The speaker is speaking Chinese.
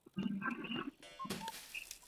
江南水乡青云镇上的黄府是本地首富。